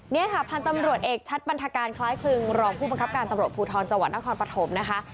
นี่ค่ะพันธุ์ตำรวจเอกชัดบันทการคล้ายคลึงรองผู้บังคับการตำรวจภูทรจังหวัดนครปฐมนะคะ